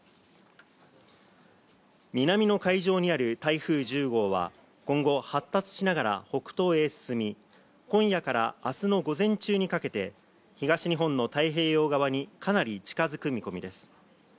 南の海上にある台風１０号は、今後、発達しながら北東へ進み、今夜から明日の午前中にかけて東日本の太平洋側にかなり近づく見込みです。